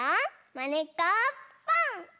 「まねっこぽん！」。